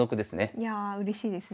いやあうれしいですね。